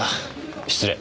失礼。